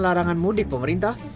larangan mudik pemerintah